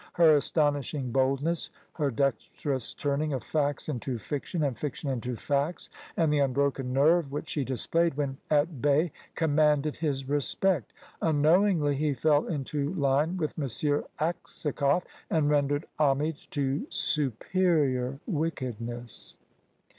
Her astonishing boldness, her dexterous turning of facts into fiction and fiction into facts, and the unbroken nerve which she displayed when at bay, commanded his respect. Unknowingly he fell into line with M. Aksakoff, and rendered homage to superior wickedness.